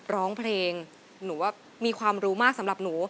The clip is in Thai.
ขอบคุณครับ